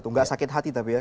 nggak sakit hati tapi ya